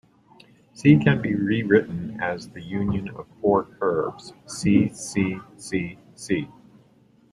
"C" can be rewritten as the union of four curves: "C", "C", "C", "C".